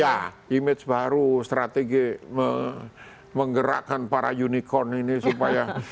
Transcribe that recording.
ya image baru strategi menggerakkan para unicorn ini supaya